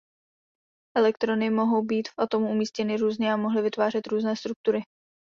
Elektrony mohly být v atomu umístěny různě a mohly vytvářet různé struktury.